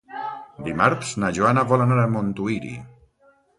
Dimarts na Joana vol anar a Montuïri.